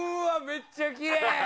めっちゃきれい！